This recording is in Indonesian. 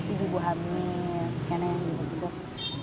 ibu hamil kena yang dibutuh